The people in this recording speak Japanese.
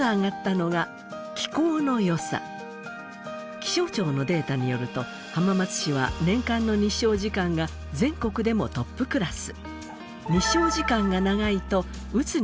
気象庁のデータによると浜松市は年間の日照時間が全国でもトップクラス。